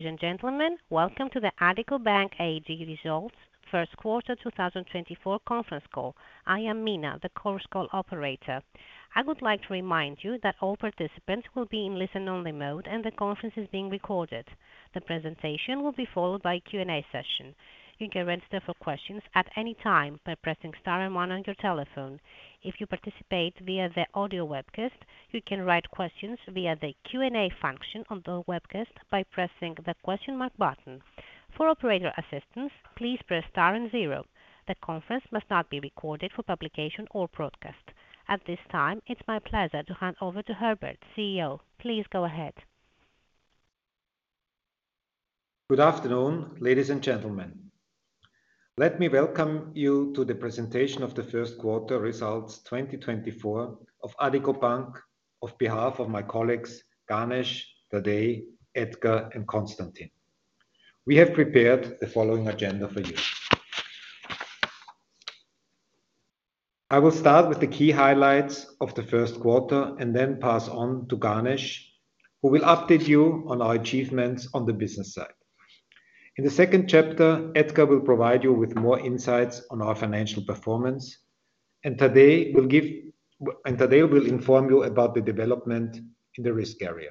Ladies and gentlemen, welcome to the Addiko Bank AG Results First Quarter 2024 Conference Call. I am Mina, the conference call operator. I would like to remind you that all participants will be in listen-only mode, and the conference is being recorded. The presentation will be followed by a Q&A session. You can register for questions at any time by pressing star and one on your telephone. If you participate via the audio webcast, you can write questions via the Q&A function on the webcast by pressing the question mark button. For operator assistance, please press star and zero. The conference must not be recorded for publication or broadcast. At this time, it's my pleasure to hand over to Herbert, CEO. Please go ahead. Good afternoon, ladies and gentlemen. Let me welcome you to the presentation of the first quarter results 2024 of Addiko Bank, on behalf of my colleagues, Ganesh, Tadej, Edgar, and Constantin. We have prepared the following agenda for you. I will start with the key highlights of the first quarter and then pass on to Ganesh, who will update you on our achievements on the business side. In the second chapter, Edgar will provide you with more insights on our financial performance, and Tadej will inform you about the development in the risk area.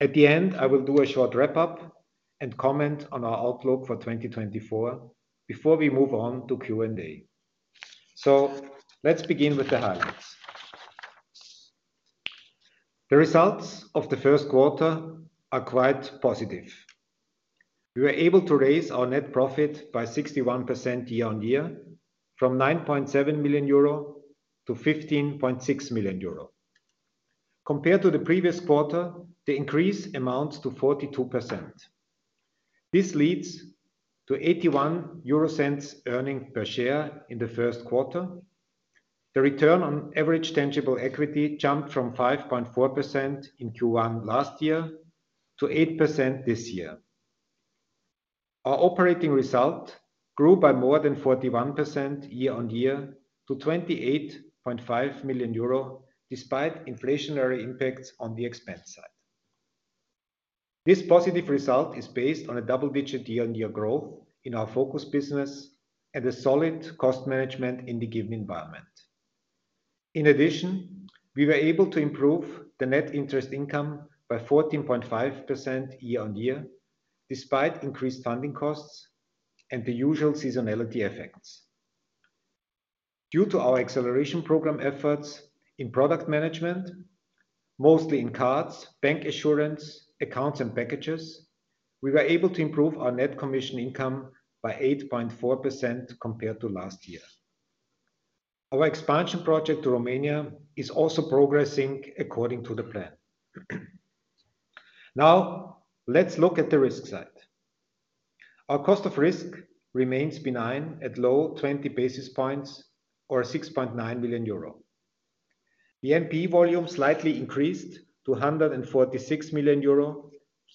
At the end, I will do a short wrap-up and comment on our outlook for 2024 before we move on to Q&A. So let's begin with the highlights. The results of the first quarter are quite positive. We were able to raise our net profit by 61% year-on-year, from 9.7 million euro to 15.6 million euro. Compared to the previous quarter, the increase amounts to 42%. This leads to 0.81 earnings per share in the first quarter. The return on average tangible equity jumped from 5.4% in Q1 last year to 8% this year. Our operating result grew by more than 41% year-on-year to 28.5 million euro, despite inflationary impacts on the expense side. This positive result is based on a double-digit year-on-year growth in our Focus business and a solid cost management in the given environment. In addition, we were able to improve the net interest income by 14.5% year-on-year, despite increased funding costs and the usual seasonality effects. Due to our acceleration program efforts in product management, mostly in cards, bancassurance, accounts, and packages, we were able to improve our net commission income by 8.4% compared to last year. Our expansion project to Romania is also progressing according to the plan. Now, let's look at the risk side. Our cost of risk remains benign at low 20 basis points or 6.9 million euro. The NPE volume slightly increased to 146 million euro,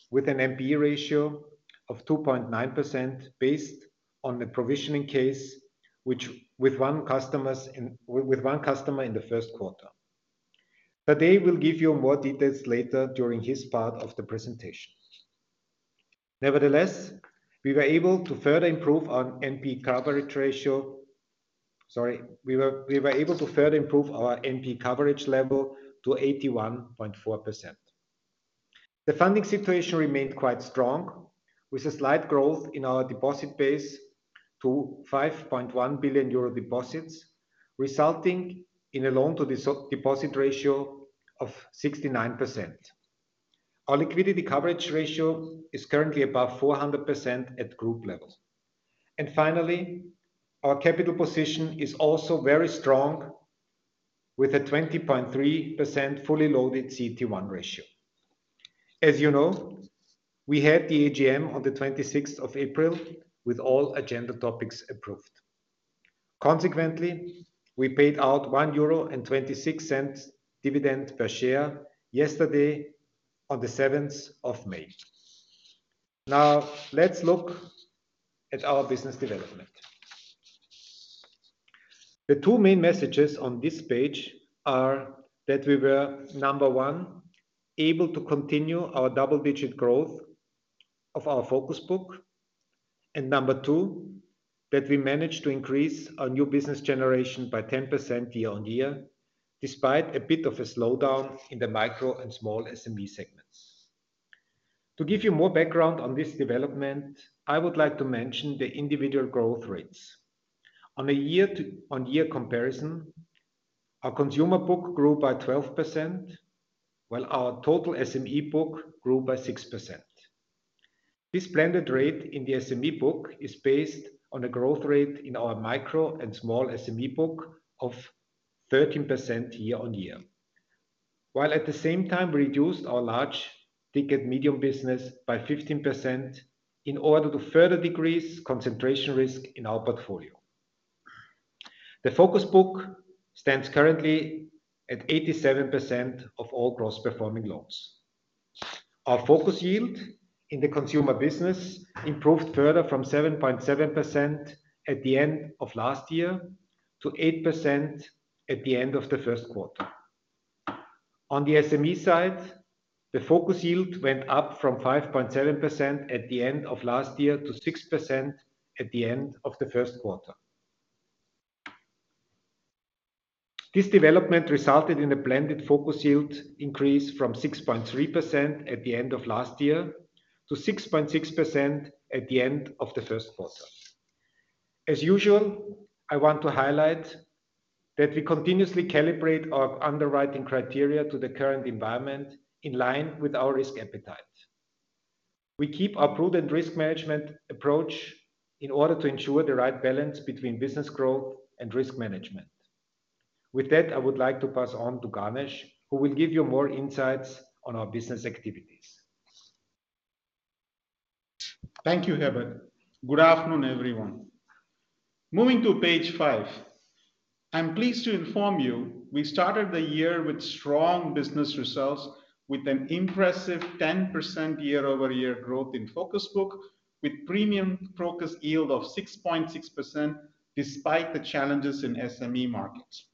with an NPE ratio of 2.9% based on the provisioning case, which with one customer in the first quarter. Tadej will give you more details later during his part of the presentation. Nevertheless, we were able to further improve our NPE coverage ratio. Sorry, we were, we were able to further improve our NPE coverage level to 81.4%. The funding situation remained quite strong, with a slight growth in our deposit base to 5.1 billion euro deposits, resulting in a loan-to-deposit ratio of 69%. Our liquidity coverage ratio is currently above 400% at group level. And finally, our capital position is also very strong, with a 20.3% fully loaded CET1 ratio. As you know, we had the AGM on the 26th of April, with all agenda topics approved. Consequently, we paid out 1.26 euro dividend per share yesterday on the 7th of May. Now, let's look at our business development. The two main messages on this page are that we were, number one, able to continue our double-digit growth of our Focus book, and number two, that we managed to increase our new business generation by 10% year-on-year, despite a bit of a slowdown in the micro and small SME segments. To give you more background on this development, I would like to mention the individual growth rates. On a year-on-year comparison, our consumer book grew by 12%, while our total SME book grew by 6%. This blended rate in the SME book is based on a growth rate in our micro and small SME book of 13% year-on-year, while at the same time reduced our large ticket medium business by 15% in order to further decrease concentration risk in our portfolio. The focus book stands currently at 87% of all gross performing loans. Our Focus yield in the consumer business improved further from 7.7% at the end of last year to 8% at the end of the first quarter. On the SME side, the Focus yield went up from 5.7% at the end of last year to 6% at the end of the first quarter. This development resulted in a blended Focus yield increase from 6.3% at the end of last year to 6.6% at the end of the first quarter. As usual, I want to highlight that we continuously calibrate our underwriting criteria to the current environment in line with our risk appetite. We keep our prudent risk management approach in order to ensure the right balance between business growth and risk management. With that, I would like to pass on to Ganesh, who will give you more insights on our business activities. Thank you, Herbert. Good afternoon, everyone. Moving to page five, I'm pleased to inform you we started the year with strong business results, with an impressive 10% year-over-year growth in Focus book, with premium Focus yield of 6.6%, despite the challenges in SME markets.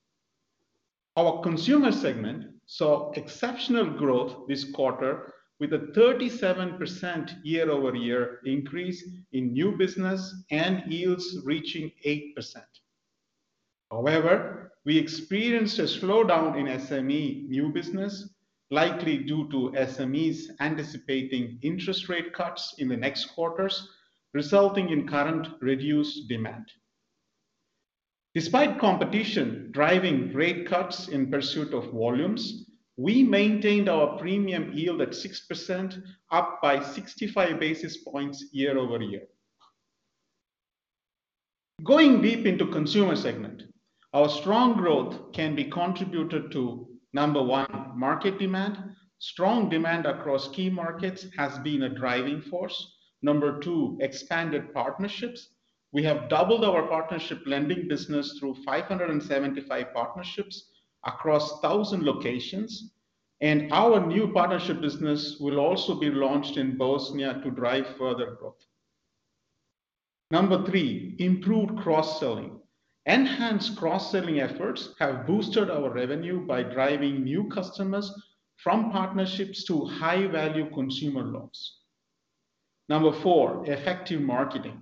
Our consumer segment saw exceptional growth this quarter, with a 37% year-over-year increase in new business and yields reaching 8%. However, we experienced a slowdown in SME new business, likely due to SMEs anticipating interest rate cuts in the next quarters, resulting in current reduced demand. Despite competition driving rate cuts in pursuit of volumes, we maintained our premium yield at 6%, up by 65 basis points year-over-year. Going deep into consumer segment, our strong growth can be contributed to, number one, market demand. Strong demand across key markets has been a driving force. Number two, expanded partnerships. We have doubled our partnership lending business through 575 partnerships across 1,000 locations, and our new partnership business will also be launched in Bosnia to drive further growth. Number three, improved cross-selling. Enhanced cross-selling efforts have boosted our revenue by driving new customers from partnerships to high-value consumer loans. Number four, effective marketing.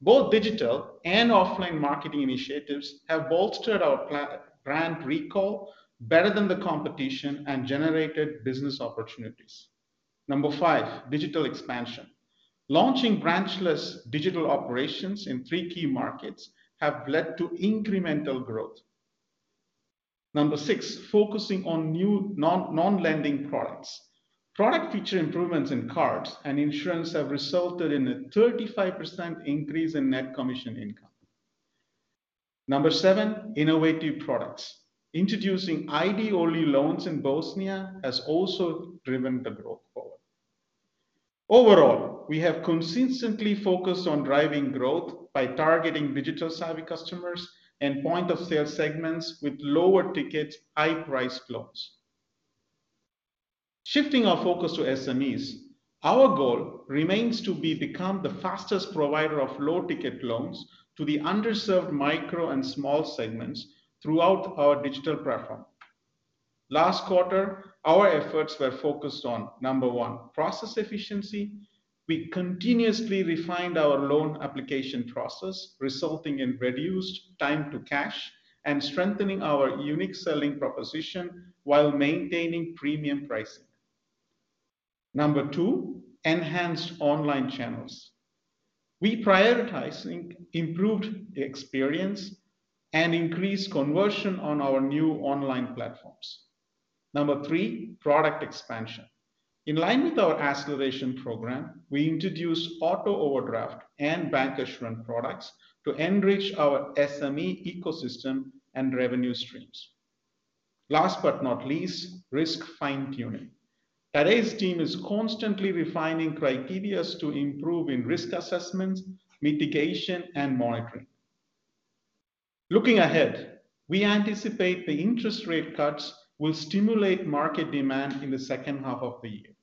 Both digital and offline marketing initiatives have bolstered our brand recall better than the competition and generated business opportunities. Number five, digital expansion. Launching branch-less digital operations in three key markets have led to incremental growth. Number six, focusing on new non-lending products. Product feature improvements in cards and insurance have resulted in a 35% increase in net commission income. Number seven, innovative products. Introducing ID-only loans in Bosnia has also driven the growth forward. Overall, we have consistently focused on driving growth by targeting digital-savvy customers and point-of-sale segments with low-ticket, high-price loans. Shifting our focus to SMEs, our goal remains to become the fastest provider of low-ticket loans to the underserved micro and small segments throughout our digital platform. Last quarter, our efforts were focused on number one process efficiency. We continuously refined our loan application process, resulting in reduced time to cash and strengthening our unique selling proposition while maintaining premium pricing. Number two, enhanced online channels. We prioritized improved experience and increased conversion on our new online platforms. Number three, product expansion. In line with our acceleration program, we introduced auto overdraft and bank assurance products to enrich our SME ecosystem and revenue streams. Last but not least, risk fine-tuning. Today's team is constantly refining criteria to improve risk assessments, mitigation, and monitoring. Looking ahead, we anticipate the interest rate cuts will stimulate market demand in the second half of the year.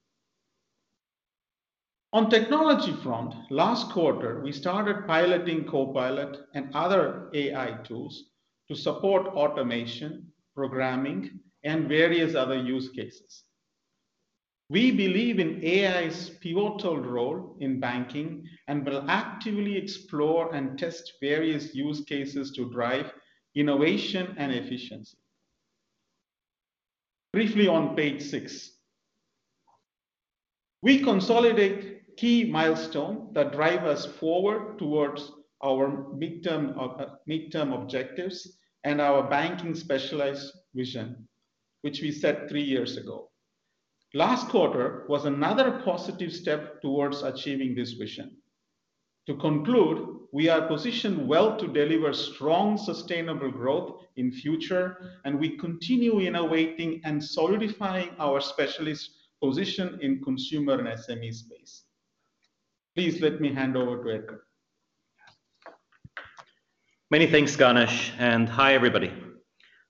On technology front, last quarter, we started piloting Copilot and other AI tools to support automation, programming, and various other use cases. We believe in AI's pivotal role in banking and will actively explore and test various use cases to drive innovation and efficiency. Briefly on page six, we consolidate key milestone that drive us forward towards our midterm objectives and our banking specialized vision, which we set three years ago. Last quarter was another positive step towards achieving this vision. To conclude, we are positioned well to deliver strong, sustainable growth in future, and we continue innovating and solidifying our specialist position in consumer and SME space. Please let me hand over to Edgar. Many thanks, Ganesh, and hi, everybody.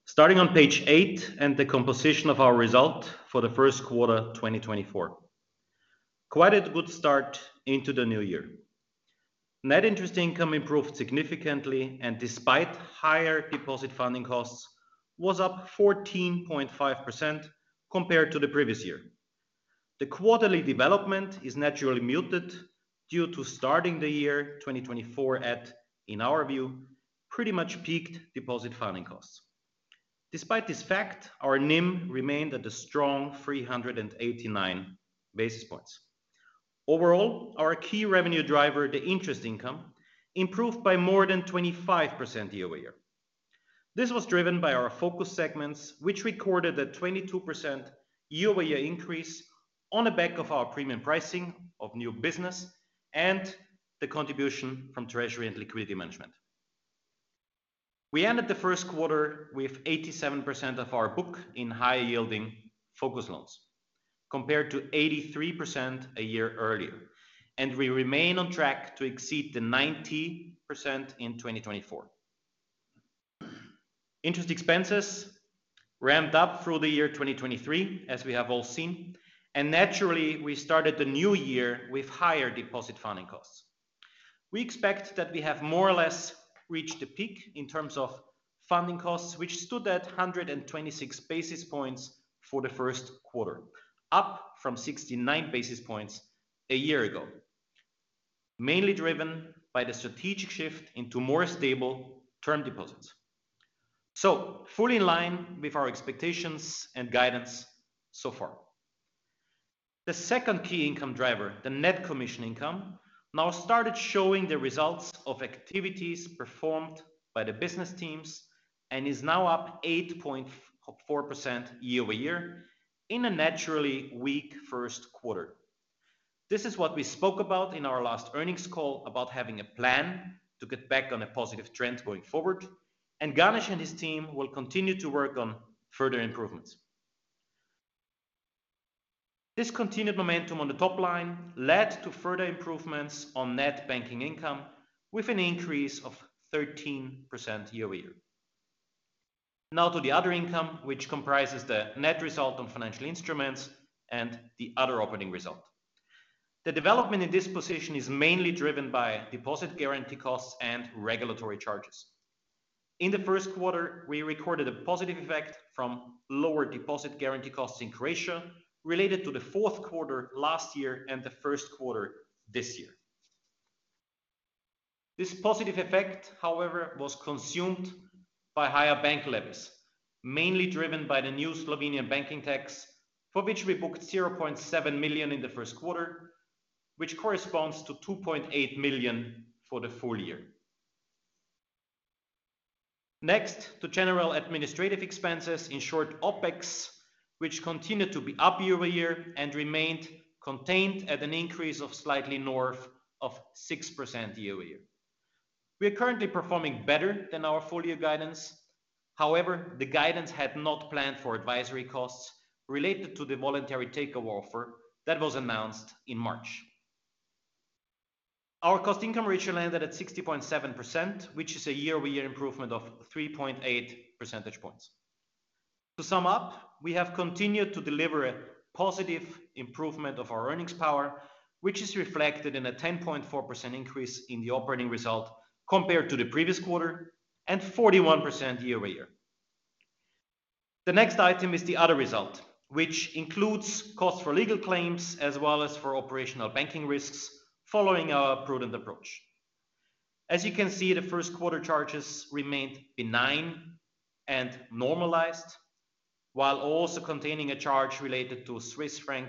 Starting on page eight and the composition of our result for the first quarter, 2024.... Quite a good start into the new year. Net interest income improved significantly, and despite higher deposit funding costs, was up 14.5% compared to the previous year. The quarterly development is naturally muted due to starting the year 2024 at, in our view, pretty much peaked deposit funding costs. Despite this fact, our NIM remained at a strong 389 basis points. Overall, our key revenue driver, the interest income, improved by more than 25% year-over-year. This was driven by our Focus segments, which recorded a 22% year-over-year increase on the back of our premium pricing of new business and the contribution from treasury and liquidity management. We ended the first quarter with 87% of our book in high-yielding Focus loans, compared to 83% a year earlier, and we remain on track to exceed the 90% in 2024. Interest expenses ramped up through the year 2023, as we have all seen, and naturally, we started the new year with higher deposit funding costs. We expect that we have more or less reached a peak in terms of funding costs, which stood at 126 basis points for the first quarter, up from 69 basis points a year ago, mainly driven by the strategic shift into more stable term deposits. So fully in line with our expectations and guidance so far. The second key income driver, the net commission income, now started showing the results of activities performed by the business teams and is now up 8.4% year-over-year in a naturally weak first quarter. This is what we spoke about in our last earnings call, about having a plan to get back on a positive trend going forward, and Ganesh and his team will continue to work on further improvements. This continued momentum on the top line led to further improvements on net banking income with an increase of 13% year-over-year. Now to the other income, which comprises the net result on financial instruments and the other operating result. The development in this position is mainly driven by deposit guarantee costs and regulatory charges. In the first quarter, we recorded a positive effect from lower deposit guarantee costs in Croatia related to the fourth quarter last year and the first quarter this year. This positive effect, however, was consumed by higher bank levies, mainly driven by the new Slovenian banking tax, for which we booked 0.7 million in the first quarter, which corresponds to 2.8 million for the full year. Next, to general administrative expenses, in short, OpEx, which continued to be up year-over-year and remained contained at an increase of slightly north of 6% year-over-year. We are currently performing better than our full year guidance. However, the guidance had not planned for advisory costs related to the voluntary takeover offer that was announced in March. Our cost-income ratio ended at 60.7%, which is a year-over-year improvement of three point eight percentage points. To sum up, we have continued to deliver a positive improvement of our earnings power, which is reflected in a 10.4% increase in the operating result compared to the previous quarter and 41% year-over-year. The next item is the other result, which includes costs for legal claims as well as for operational banking risks following our prudent approach. As you can see, the first quarter charges remained benign and normalized, while also containing a charge related to Swiss franc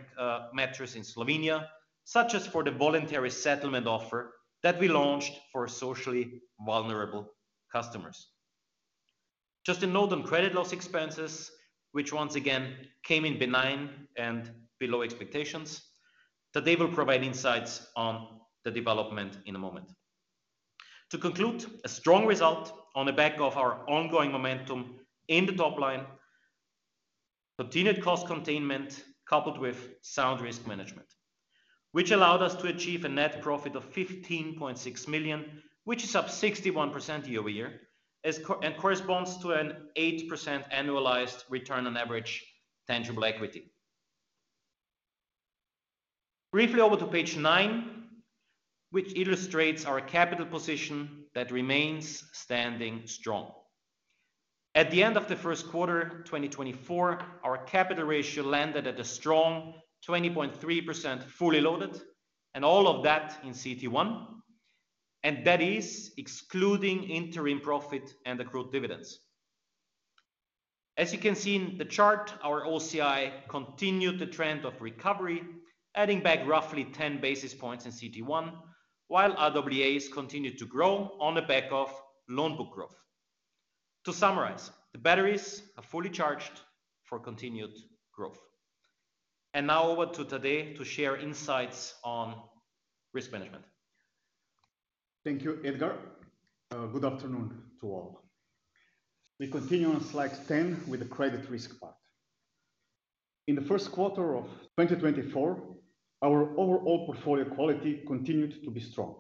mortgages in Slovenia, such as the voluntary settlement offer that we launched for socially vulnerable customers. Just a note on credit loss expenses, which once again came in benign and below expectations. Tadej will provide insights on the development in a moment. To conclude, a strong result on the back of our ongoing momentum in the top line, continued cost containment coupled with sound risk management, which allowed us to achieve a net profit of 15.6 million, which is up 61% year over year, and corresponds to an 8% annualized return on average tangible equity. Briefly over to page nine, which illustrates our capital position that remains standing strong. At the end of the first quarter, 2024, our capital ratio landed at a strong 20.3%, fully loaded, and all of that in CET1, and that is excluding interim profit and accrued dividends. As you can see in the chart, our OCI continued the trend of recovery, adding back roughly 10 basis points in CET1, while RWAs continued to grow on the back of loan book growth. To summarize, the batteries are fully charged for continued growth. And now over to Tadej to share insights on risk management. Thank you, Edgar. Good afternoon to all. We continue on slide 10 with the credit risk part. In the first quarter of 2024, our overall portfolio quality continued to be strong.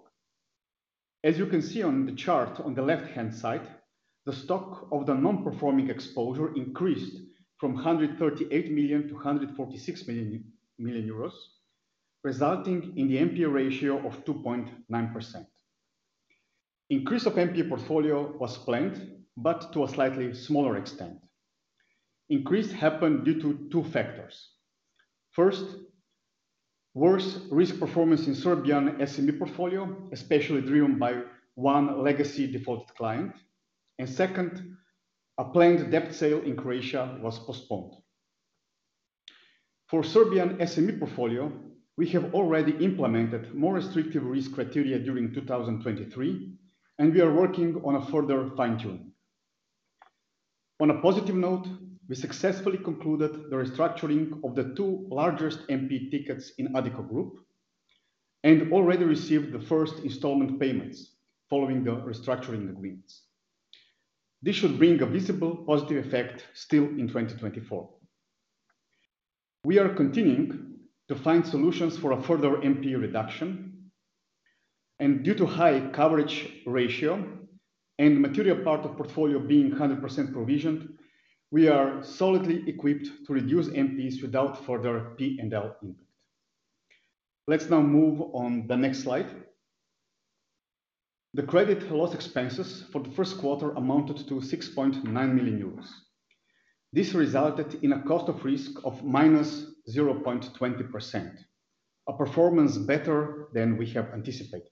As you can see on the chart on the left-hand side, the stock of the non-performing exposure increased from 138 million to 146 million, resulting in the NPE ratio of 2.9%. Increase of NPE portfolio was planned, but to a slightly smaller extent. Increase happened due to two factors: first, worse risk performance in Serbian SME portfolio, especially driven by one legacy defaulted client, and second, a planned debt sale in Croatia was postponed. For Serbian SME portfolio, we have already implemented more restrictive risk criteria during 2023, and we are working on a further fine-tuning. On a positive note, we successfully concluded the restructuring of the two largest NPA tickets in Addiko Group and already received the first installment payments following the restructuring agreements. This should bring a visible positive effect still in 2024. We are continuing to find solutions for a further NPA reduction, and due to high coverage ratio and material part of portfolio being 100% provisioned, we are solidly equipped to reduce NPAs without further P&L impact. Let's now move on the next slide. The credit loss expenses for the first quarter amounted to 6.9 million euros. This resulted in a cost of risk of -0.20%, a performance better than we have anticipated.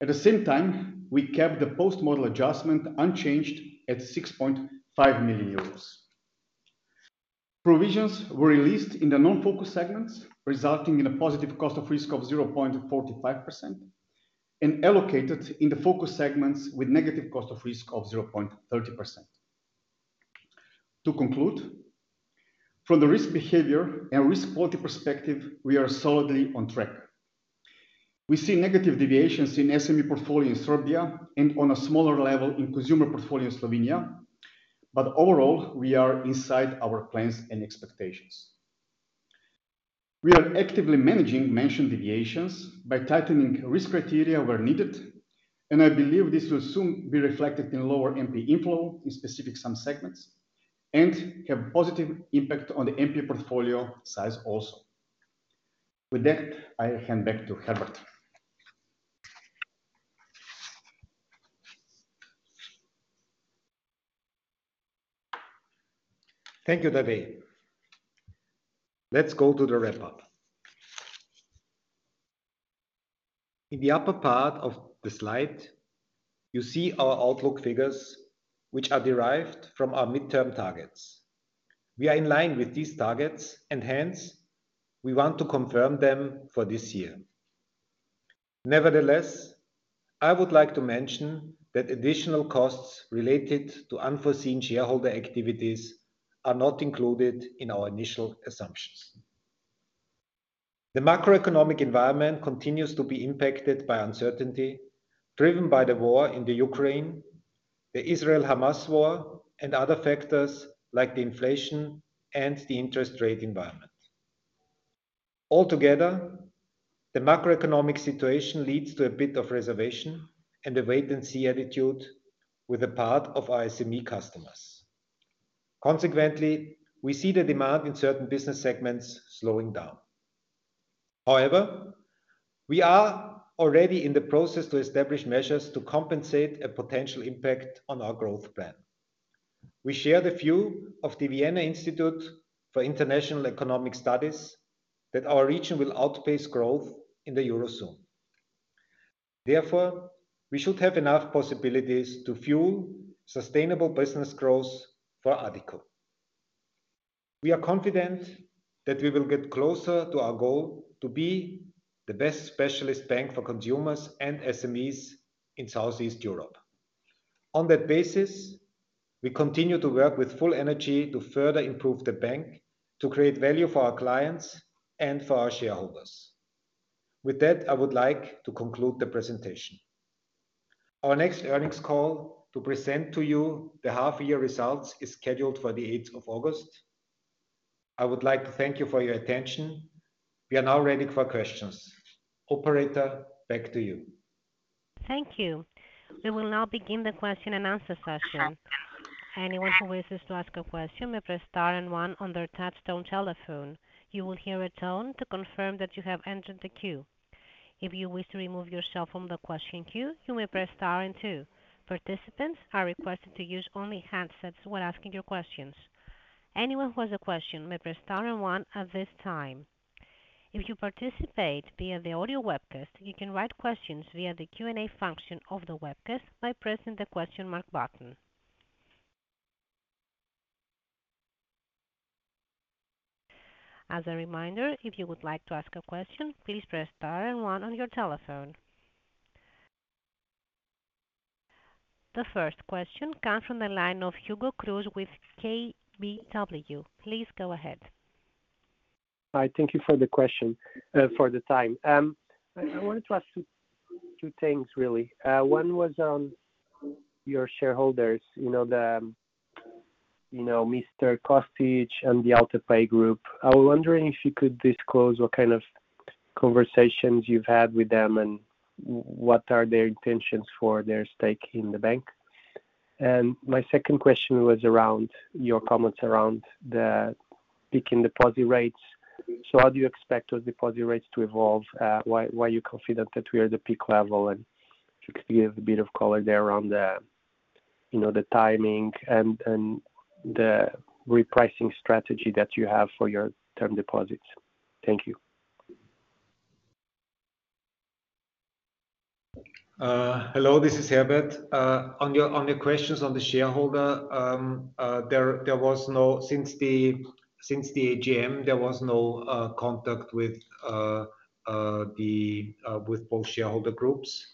At the same time, we kept the post-model adjustment unchanged at 6.5 million euros. Provisions were released in the non-focus segments, resulting in a positive cost of risk of 0.45% and allocated in the focus segments with negative cost of risk of 0.30%. To conclude, from the risk behavior and risk quality perspective, we are solidly on track. We see negative deviations in SME portfolio in Serbia and on a smaller level in consumer portfolio in Slovenia, but overall, we are inside our plans and expectations. We are actively managing mentioned deviations by tightening risk criteria where needed, and I believe this will soon be reflected in lower NPA inflow in specific some segments and have positive impact on the NPA portfolio size also. With that, I hand back to Herbert. Thank you, Tadej. Let's go to the wrap-up. In the upper part of the slide, you see our outlook figures, which are derived from our midterm targets. We are in line with these targets, and hence, we want to confirm them for this year. Nevertheless, I would like to mention that additional costs related to unforeseen shareholder activities are not included in our initial assumptions. The macroeconomic environment continues to be impacted by uncertainty driven by the war in the Ukraine, the Israel-Hamas war, and other factors like the inflation and the interest rate environment. Altogether, the macroeconomic situation leads to a bit of reservation and a wait and see attitude with a part of our SME customers. Consequently, we see the demand in certain business segments slowing down. However, we are already in the process to establish measures to compensate a potential impact on our growth plan. We share the view of the Vienna Institute for International Economic Studies that our region will outpace growth in the Eurozone. Therefore, we should have enough possibilities to fuel sustainable business growth for Addiko. We are confident that we will get closer to our goal to be the best specialist bank for consumers and SMEs in Southeast Europe. On that basis, we continue to work with full energy to further improve the bank, to create value for our clients and for our shareholders. With that, I would like to conclude the presentation. Our next earnings call to present to you the half year results is scheduled for the eighth of August. I would like to thank you for your attention. We are now ready for questions. Operator, back to you. Thank you. We will now begin the question and answer session. Anyone who wishes to ask a question may press star and one on their touchtone telephone. You will hear a tone to confirm that you have entered the queue. If you wish to remove yourself from the question queue, you may press star and two. Participants are requested to use only handsets when asking your questions. Anyone who has a question may press star and one at this time. If you participate via the audio webcast, you can write questions via the Q&A function of the webcast by pressing the question mark button. As a reminder, if you would like to ask a question, please press star and one on your telephone. The first question comes from the line of Hugo Cruz with KBW. Please go ahead. Hi, thank you for the question, for the time. I wanted to ask two things, really. One was on your shareholders, you know, you know, Mr. Kostić and the Alta Pay Group. I was wondering if you could disclose what kind of conversations you've had with them, and what are their intentions for their stake in the bank? And my second question was around your comments around the peak in deposit rates. So how do you expect those deposit rates to evolve? Why are you confident that we are at the peak level? And if you could give a bit of color there around the, you know, the timing and the repricing strategy that you have for your term deposits. Thank you. Hello, this is Herbert. On your questions on the shareholder, since the AGM, there was no contact with both shareholder groups.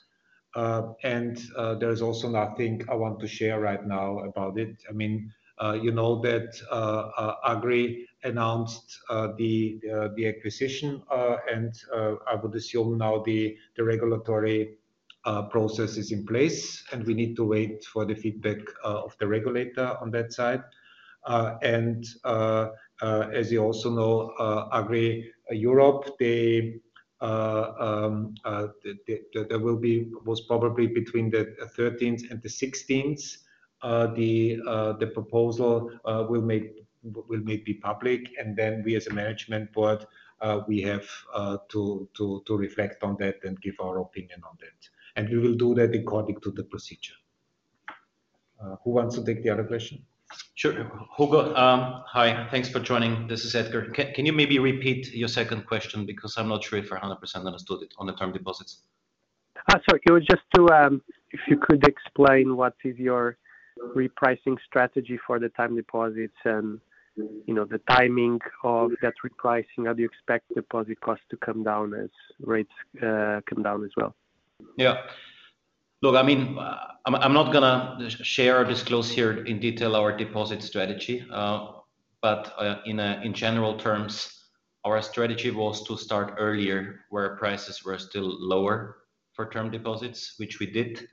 And there is also nothing I want to share right now about it. I mean, you know, that Agri announced the acquisition, and I would assume now the regulatory process is in place, and we need to wait for the feedback of the regulator on that side. As you also know, Agri Europe, they, there will be, most probably between the thirteenth and the sixteenth, the proposal will be public, and then we, as a Management Board, we have to reflect on that and give our opinion on that. And we will do that according to the procedure. Who wants to take the other question? Sure. Hugo, hi, thanks for joining. This is Edgar. Can you maybe repeat your second question? Because I'm not sure if I 100% understood it on the term deposits. Sorry, it was just to. If you could explain what is your repricing strategy for the term deposits and, you know, the timing of that repricing? How do you expect deposit costs to come down as rates come down as well? Yeah. Look, I mean, I'm, I'm not going to share or disclose here in detail our deposit strategy. But, in general terms, our strategy was to start earlier, where prices were still lower for term deposits, which we did.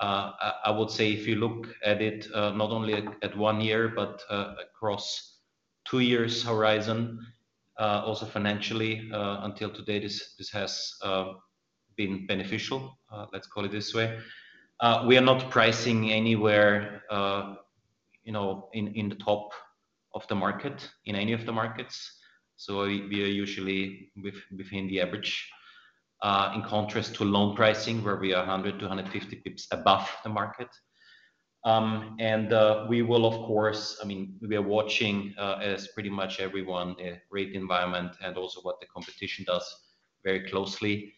I would say if you look at it, not only at one year, but across two years horizon, also financially, until today, this has been beneficial. Let's call it this way. We are not pricing anywhere, you know, in the top of the market, in any of the markets. So we are usually with between the average, in contrast to loan pricing, where we are 100-150 pips above the market. And, we will of course... I mean, we are watching, as pretty much everyone, the rate environment and also what the competition does very closely.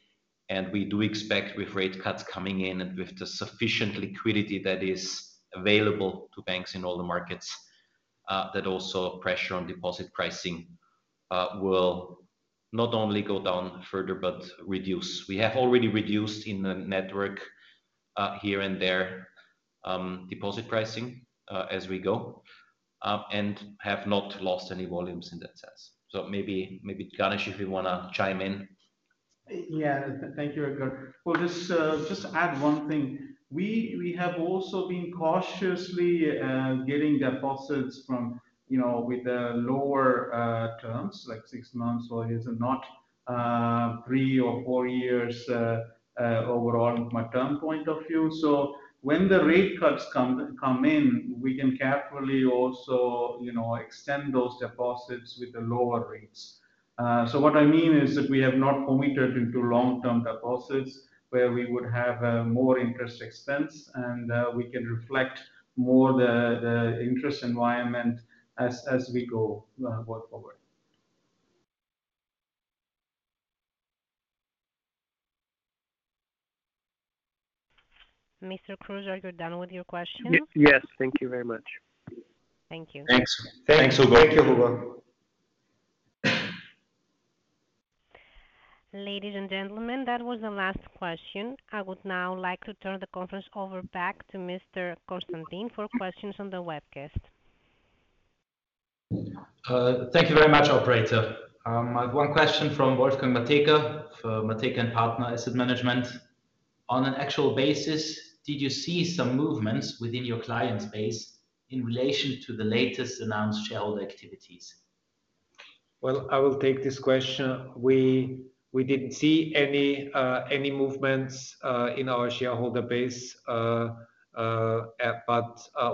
We do expect with rate cuts coming in and with the sufficient liquidity that is available to banks in all the markets, that also pressure on deposit pricing will not only go down further but reduce. We have already reduced in the network, here and there, deposit pricing, as we go, and have not lost any volumes in that sense. So maybe, maybe, Ganesh, if you want to chime in. Yeah. Thank you, Edgar. Well, just to add one thing. We have also been cautiously getting deposits from, you know, with the lower terms, like six months or years, and not three or four years, overall, from a term point of view. So when the rate cuts come in, we can carefully also, you know, extend those deposits with the lower rates. So what I mean is that we have not committed into long-term deposits, where we would have more interest expense, and we can reflect more the interest environment as we go going forward. Mr. Cruz, are you done with your questions? Yes. Thank you very much. Thank you. Thanks. Thanks, Hugo. Thank you, Hugo. Ladies and gentlemen, that was the last question. I would now like to turn the conference over back to Mr. Constantin for questions on the webcast. Thank you very much, operator. I have one question from Wolfgang Matejka, from Matejka & Partner Asset Management. On an actual basis, did you see some movements within your client base in relation to the latest announced shareholder activities? Well, I will take this question. We didn't see any movements, but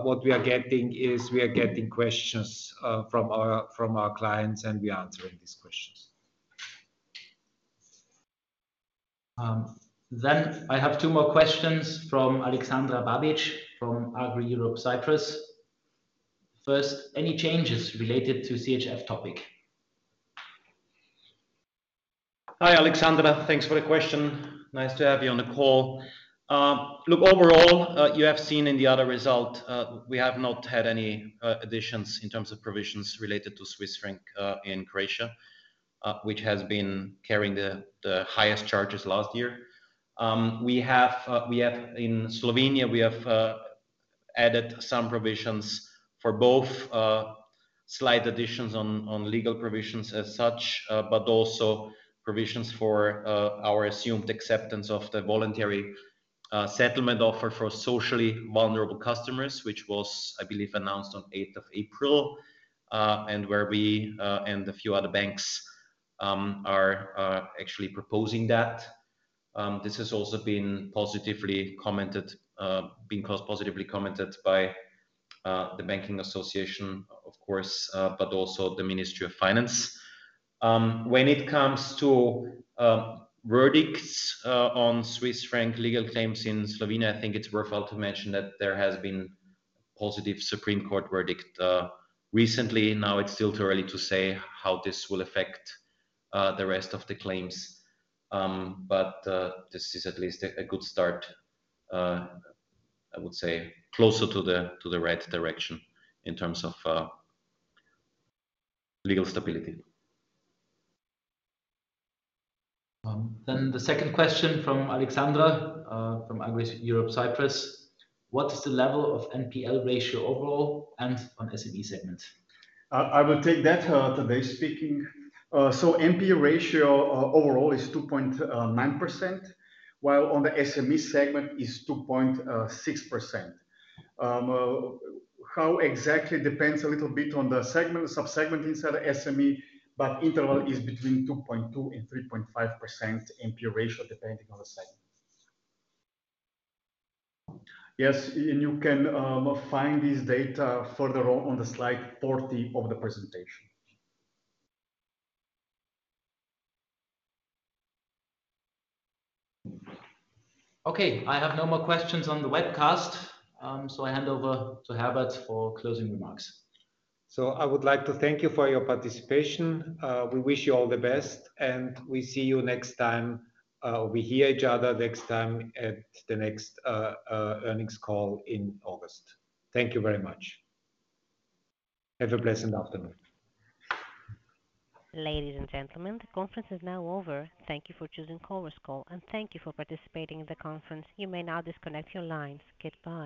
what we are getting is, we are getting questions from our clients, and we are answering these questions. Then I have two more questions from Alexandra Babic, from Agri Europe Cyprus. First, any changes related to CHF topic? Hi, Alexandra. Thanks for the question. Nice to have you on the call. Look, overall, you have seen in the other result, we have not had any additions in terms of provisions related to Swiss franc in Croatia, which has been carrying the highest charges last year. In Slovenia, we have added some provisions for both slight additions on legal provisions as such, but also provisions for our assumed acceptance of the voluntary settlement offer for socially vulnerable customers, which was, I believe, announced on eighth of April. And where we and a few other banks are actually proposing that. This has also been positively commented by the Banking Association, of course, but also the Ministry of Finance. When it comes to verdicts on Swiss franc legal claims in Slovenia, I think it's worthwhile to mention that there has been positive Supreme Court verdict recently. Now, it's still too early to say how this will affect the rest of the claims. But this is at least a good start, I would say, closer to the right direction in terms of legal stability. Then the second question from Alexandra Babic from Agri Europe Cyprus: What is the level of NPL ratio overall and on SME segment? I will take that, today speaking. So NPL ratio, overall is 2.9%, while on the SME segment is 2.6%. How exactly depends a little bit on the segment, sub-segment inside the SME, but interval is between 2.2% and 3.5% NPL ratio, depending on the segment. Yes, and you can find this data further on, on the slide 40 of the presentation. Okay, I have no more questions on the webcast, so I hand over to Herbert for closing remarks. I would like to thank you for your participation. We wish you all the best, and we see you next time. We hear each other next time at the next earnings call in August. Thank you very much. Have a pleasant afternoon. Ladies and gentlemen, the conference is now over. Thank you for choosing Conference Call, and thank you for participating in the conference. You may now disconnect your lines. Goodbye.